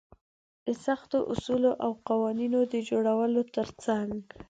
د سختو اصولو او قوانينونو د جوړولو تر څنګ.